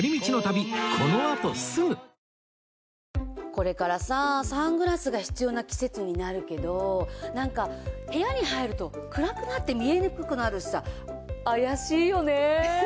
これからさサングラスが必要な季節になるけどなんか部屋に入ると暗くなって見えにくくなるしさ怪しいよね。